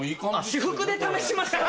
私服で試しました？